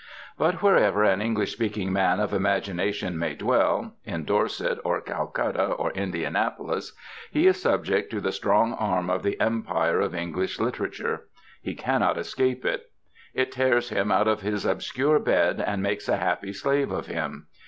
But wherever an English speaking man of imagination may dwell, in Dorset or Calcutta or Indianapolis, he is subject to the strong arm of the empire of English literature; he cannot escape it; it tears him out of his obscure bed and makes a happy slave of him.